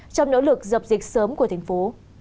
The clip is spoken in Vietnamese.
trong nỗ lực dập dịch sớm của thành phố